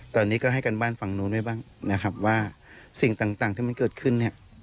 ตอนนี้ก็ให้กันบ้านฝั่งนู้นไว้บ้างนะครับว่าสิ่งต่างที่มันเกิดขึ้นเนี่ย